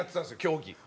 競技。